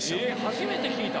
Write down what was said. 初めて聞いた！